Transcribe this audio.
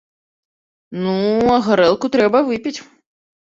Ну, а гарэлку трэба выпіць.